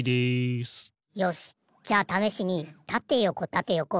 よしじゃあためしにたてよこたてよこ